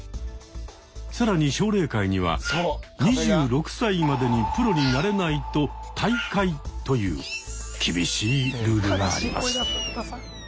更に奨励会には２６歳までにプロになれないと退会という厳しいルールがあります。